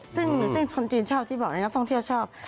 ซึ่งคนจีนชอบที่บอกนักท่องเที่ยวชอบ